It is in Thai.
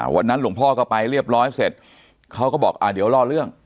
หลวงพ่อก็ไปเรียบร้อยเสร็จเขาก็บอกเดี๋ยวรอเรื่อง